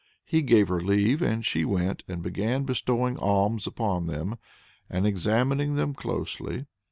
He gave her leave, and she went and began bestowing alms upon them, and examining them closely.